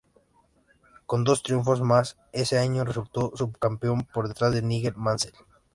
Con dos triunfos más, ese año resultó subcampeón por detrás de Nigel Mansell.